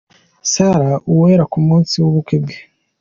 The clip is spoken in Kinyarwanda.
Sarah Uwera ku munsi w'ubukwe bwe.